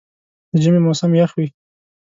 د ژمي موسم یخ وي.